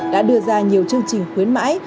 đã ra nhiều chương trình khuyến mãi